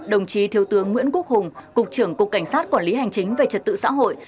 đồng chí thiếu tướng nguyễn quốc hùng cục trưởng cục cảnh sát quản lý hành chính về trật tự xã hội